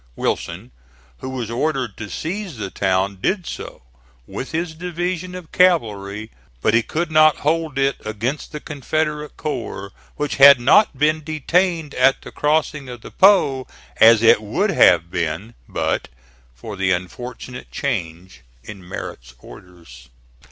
Wilson, who was ordered to seize the town, did so, with his division of cavalry; but he could not hold it against the Confederate corps which had not been detained at the crossing of the Po, as it would have been but for the unfortunate change in Merritt's orders.